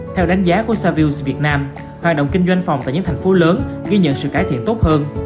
theo đánh giá của savills việt nam hoạt động kinh doanh phòng tại những thành phố lớn ghi nhận sự cải thiện tốt hơn